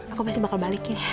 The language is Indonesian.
aku pasti bakal balikin